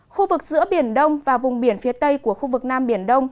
khu vực giữa biển đông và vùng biển phía tây của khu vực nam biển đông